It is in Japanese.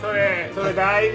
それ大事！